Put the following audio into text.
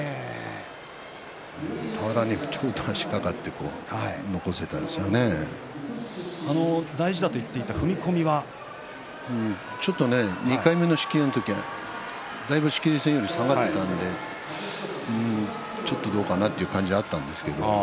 俵に足が掛かって大事だと言っていたちょっと２回目の仕切りの時は、だいぶ仕切り線より下がっていたのでちょっとどうかなという感じがあったんですけど。